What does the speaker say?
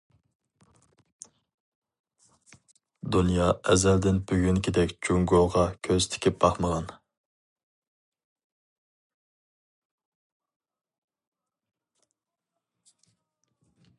دۇنيا ئەزەلدىن بۈگۈنكىدەك جۇڭگوغا كۆز تىكىپ باقمىغان.